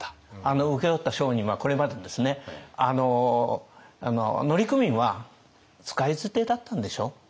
請け負った商人はこれまでですね乗組員は使い捨てだったんでしょう？